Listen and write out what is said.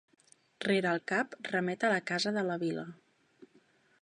Rere el cap remet a la casa de la vila.